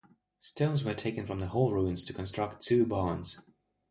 Stones were taken from the hall ruins to construct two barns.